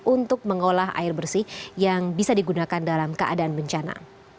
untuk mengolah air bersih yang bisa digunakan dalam keadaan bencana